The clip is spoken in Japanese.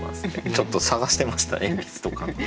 ちょっと探してました鉛筆とか。